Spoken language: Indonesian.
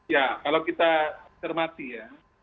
ya kalau kita cermati ya